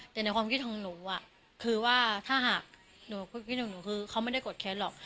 แต่ในความคิดของหนูคือว่าถ้าหากหนูคิดถึงหนูคือเขาไม่ได้โกรธแค้นหรอก